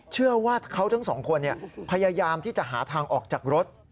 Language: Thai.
เชื่อว่าเขาทั้งสองคนพยายามที่จะหาทางออกจากรถ